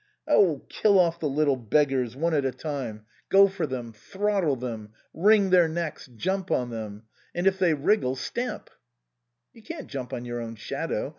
" Oh, kill off the little beggars one at a time 59 THE COSMOPOLITAN go for them, throttle them, wring their necks, jump on them ; and if they wriggle, stamp \"" You can't jump on your own shadow.